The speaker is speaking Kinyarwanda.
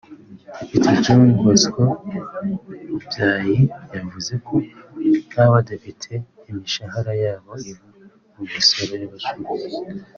Depite John Bosco Lubyayi yavuze ko nk’abadepite imishahara yabo iva mu misoro y’abacuruzi